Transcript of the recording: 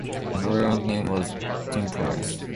A variant name was "Temperance".